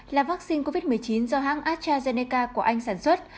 là vaccine covid một mươi chín do hãng astrazeneca của anh sản xuất